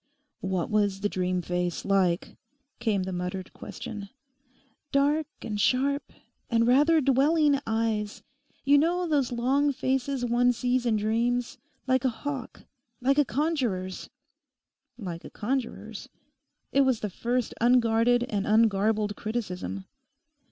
'What was the dream face like?' came the muttered question. 'Dark and sharp, and rather dwelling eyes; you know those long faces one sees in dreams: like a hawk, like a conjuror's.' Like a conjuror's!—it was the first unguarded and ungarbled criticism.